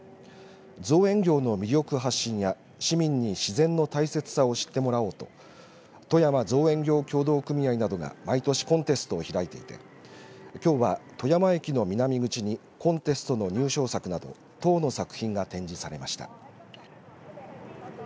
造園業の魅力発信や市民に自然の大切さを知ってもらおうと富山造園業協同組合などが毎年コンテストを開いていてきょうは富山駅の南口にコンテストの入賞作など１０の作品が展示されました。